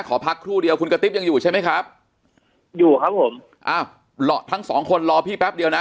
ขอพักครู่เดียวคุณกระติ๊บยังอยู่ใช่ไหมครับอยู่ครับผมอ้าวรอทั้งสองคนรอพี่แป๊บเดียวนะ